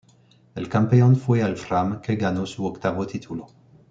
El campeón fue el Fram, que ganó su octavo título.